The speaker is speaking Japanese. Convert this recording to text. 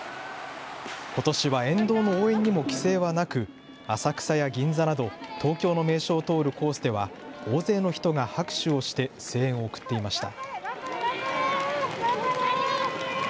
ことしは沿道の応援にも規制はなく浅草や銀座など東京の名所を通るコースでは大勢の人が拍手をして声援を送っていました。